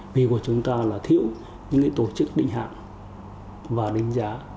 vì của chúng ta là thiếu những tổ chức định hạng và định giá